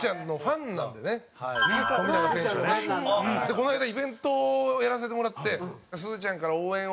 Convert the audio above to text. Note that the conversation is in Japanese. この間イベントをやらせてもらって「すずちゃんから応援を」